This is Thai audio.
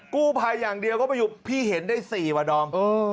กู้ภัยอย่างเดียวก็ไม่อยู่พี่เห็นได้๔ว่ะดอม